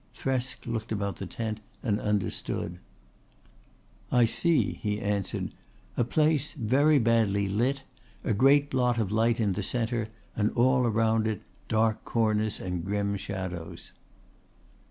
Thresk looked about the tent and understood. "I see," he answered "a place very badly lit, a great blot of light in the centre and all around it dark corners and grim shadows."